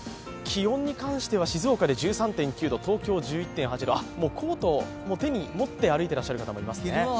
気温に関しては静岡で１３．９度東京１１．８度、コートを手に持って歩いてる方もいますね。